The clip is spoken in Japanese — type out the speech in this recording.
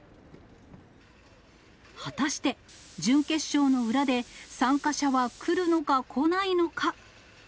果たして準決勝の裏で、参加者は来るのか、来ないのか。